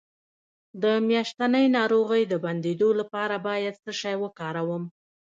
د میاشتنۍ ناروغۍ د بندیدو لپاره باید څه شی وکاروم؟